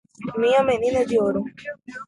Minha menina de ouro